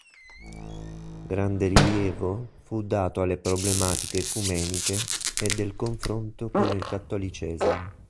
Grande rilievo fu dato alle problematiche ecumeniche e del confronto con il cattolicesimo.